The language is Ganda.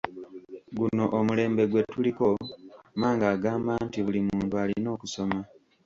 Guno omulembe gwe tuliko mmange agamba nti buli muntu alina okusoma.